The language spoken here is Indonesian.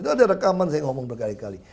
itu ada rekaman saya ngomong berkali kali